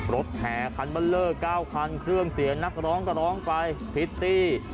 ลดแห่คันมั่นเร้อ๙คันเครื่องเสียงนักก็ร้องก็ร้องไปพิตตี้